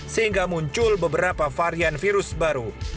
sehingga muncul beberapa varian virus baru